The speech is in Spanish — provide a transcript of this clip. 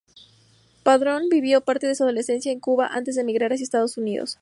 Padrón vivió parte de su adolescencia en Cuba antes de emigrar hacia Estados Unidos.